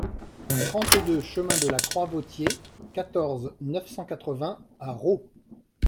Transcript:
trente-deux chemin de la Croix Vautier, quatorze, neuf cent quatre-vingts à Rots